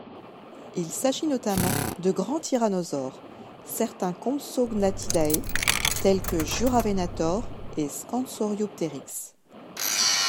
Il s’agit notamment de grands tyrannosaures, certains compsognathidae tels que Juravenator et Scansoriopteryx.